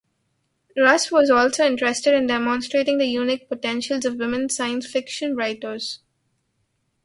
Russ was also interested in demonstrating the unique potentials of women science fiction writers.